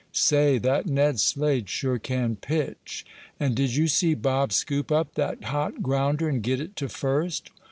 "Say, that Ned Slade sure can pitch!" "And did you see Bob scoop up that hot grounder and get it to first?"